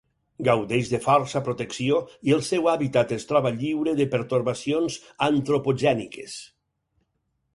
Gaudeix de força protecció i el seu hàbitat es troba lliure de pertorbacions antropogèniques.